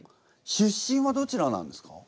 出身はどちらなんですか？